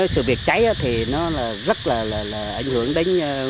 sự việc cháy thì nó rất là ảnh hưởng và nguy hiểm đến tên mạng